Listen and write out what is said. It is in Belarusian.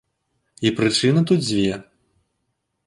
І прычыны тут дзве.